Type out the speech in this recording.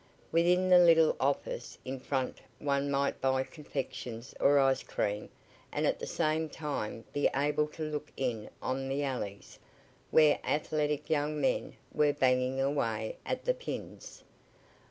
Within the little office in front one might buy confections or ice cream, and at the same time be able to look in on the alleys, where athletic young men were banging away at the pins.